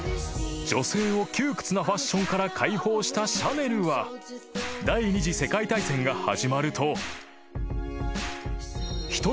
［女性を窮屈なファッションから解放したシャネルは第２次世界大戦が始まると］